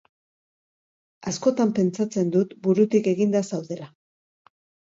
Askotan pentsatzen dut burutik eginda zaudela.